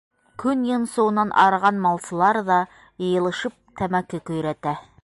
Көн йонсоуынан арыған малсылар ҙа, йыйылышып, тәмәке көйрәтә.